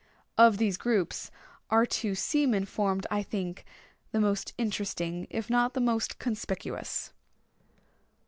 Of these groups our two seamen formed, I think, the most interesting, if not the most conspicuous.